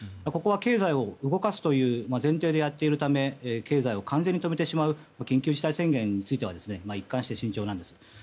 ここは経済を動かすという前提でやっているため経済を完全に止めてしまう緊急事態宣言については一貫して慎重です。